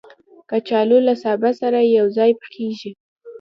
کچالو له سابه سره یو ځای پخېږي